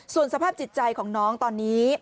ส่วนสภาพจิตใจของน้องตอนนี้